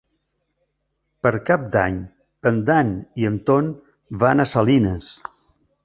Per Cap d'Any en Dan i en Ton van a Salines.